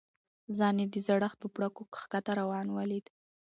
ځان یې د زړښت په پاړکو ښکته روان ولید.